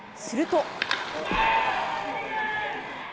すると。